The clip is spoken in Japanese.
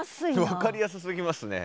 分かりやすすぎますね。